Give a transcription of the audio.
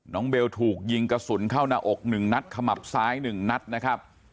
เบลถูกยิงกระสุนเข้าหน้าอก๑นัดขมับซ้าย๑นัดนะครับ